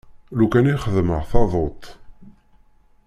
Lukan i xeddmeɣ taḍuṭ.